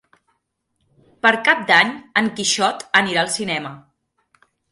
Per Cap d'Any en Quixot anirà al cinema.